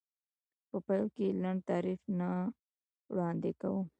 په پیل کې لنډ تعریف نه وړاندې کوم.